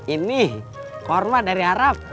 ini kurma dari arab